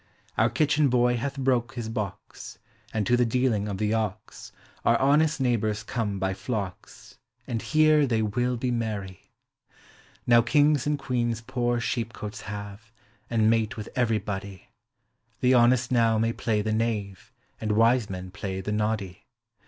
Our kitchen boy hath broke his box; And to the dealing of the ox Our honest neighbors come by flocks. And here they will lie merry. THE HOME. 333 Now kings and queens poor shcepeotes have, And mate with everybody; The honest now may play the knave, And wise men play the noddy.